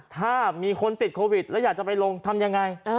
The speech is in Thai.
ถ้ามีคนติดโควิดแล้วอยากจะไปลงทำยังไง